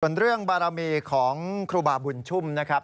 ส่วนเรื่องบารมีของครูบาบุญชุ่มนะครับ